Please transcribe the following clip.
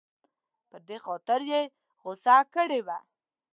په دې خاطر یې غوسه کړې وه.